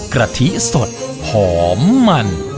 กะทิสดหอมมัน